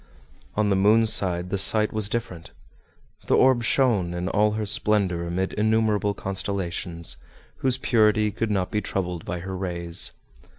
On the moon's side the sight was different; the orb shone in all her splendor amid innumerable constellations, whose purity could not be troubled by her rays.